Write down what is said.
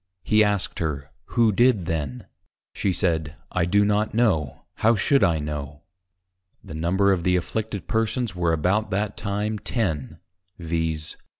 He asked her, who did then? She said, I do not know; How should I know? The Number of the Afflicted Persons were about that time Ten, _viz.